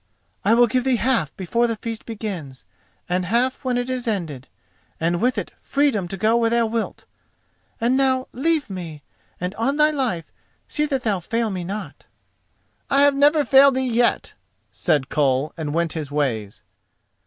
"I will give thee half before the feast begins, and half when it is ended, and with it freedom to go where thou wilt. And now leave me, and on thy life see that thou fail me not." "I have never failed thee yet," said Koll, and went his ways.